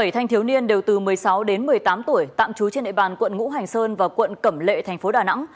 một mươi thanh thiếu niên đều từ một mươi sáu đến một mươi tám tuổi tạm trú trên địa bàn quận ngũ hành sơn và quận cẩm lệ thành phố đà nẵng